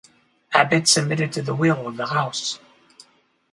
Abbot submitted to the will of the House.